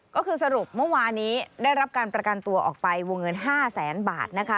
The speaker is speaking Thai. ก็คือสรุปเมื่อวานี้ได้รับการประกันตัวออกไปวงเงิน๕แสนบาทนะคะ